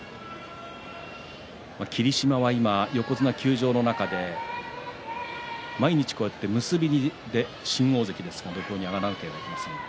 霧島は今、横綱休場の中で毎日こうやって結びで新大関ですが土俵に上がっています。